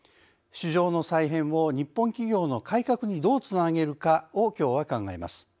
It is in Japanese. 市場の再編を日本企業の改革にどうつなげるかをきょうは考えます。